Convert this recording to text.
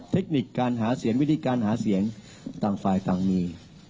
เทคนิคการหาเสียงวิธีการหาเสียงต่างฝ่ายต่างมี